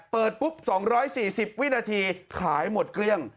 เปิดปุ๊บ๒๔๐วินาทีขายหมดเกลี้ยง